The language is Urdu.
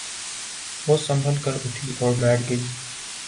وہ سنبھل کر اٹھی اور بیٹھ گئی۔